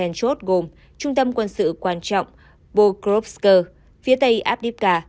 ba điểm chốt gồm trung tâm quân sự quan trọng pogorovsk phía tây abdiplka